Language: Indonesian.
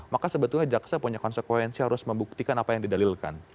maka sebetulnya jaksa punya konsekuensi harus membuktikan apa yang didalilkan